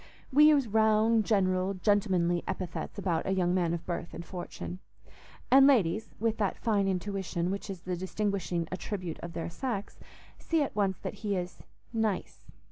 We use round, general, gentlemanly epithets about a young man of birth and fortune; and ladies, with that fine intuition which is the distinguishing attribute of their sex, see at once that he is "nice."